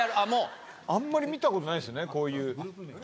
あんまり見たことないっすよねこういう。